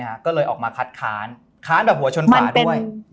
ก็เลยออกมาคัดค้านค้านแบบหัวชนฝาด้วย